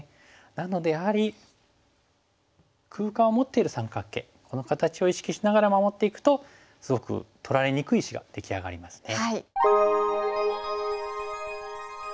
なのでやはり空間を持っている三角形この形を意識しながら守っていくとすごく取られにくい石が出来上がりますね。